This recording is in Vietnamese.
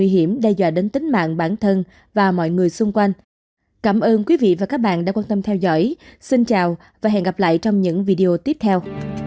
hẹn gặp lại các bạn trong những video tiếp theo